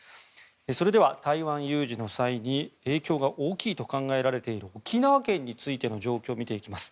それでは台湾有事の際に影響が大きいと考えられている沖縄県についての状況を見ていきます。